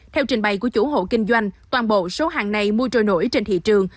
theo trình bày của chủ hộ kinh doanh toàn bộ số hàng này mua trôi nổi trên thị trường